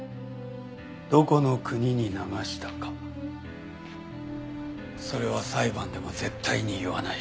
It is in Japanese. どこの国に流したかそれは裁判でも絶対に言わない。